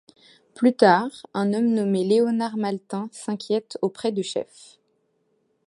Plus tard un homme nommé Leonard Maltin s'inquiète auprès de Chef.